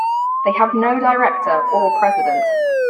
They have no director or president.